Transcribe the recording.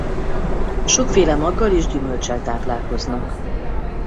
Sokféle maggal és gyümölccsel táplálkoznak.